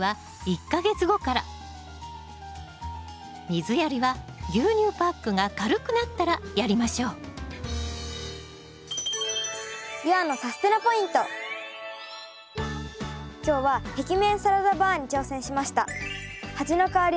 水やりは牛乳パックが軽くなったらやりましょう今日は壁面サラダバーに挑戦しました。